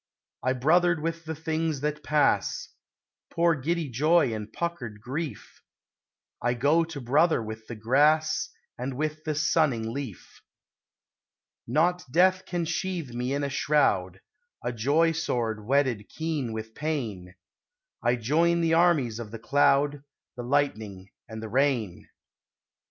I brothered with the things that pass, Poor giddy Joy and puckered Grief; I go to brother with the Grass And with the sunning Leaf. Not Death can sheathe me in a shroud; A joy sword whetted keen with pain, I join the armies of the Cloud The Lightning and the Rain.